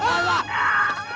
pak pak asap